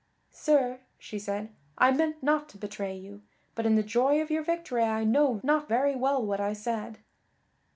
"Sir," she said, "I meant not to betray you, but in the joy of your victory I know not very well what I said."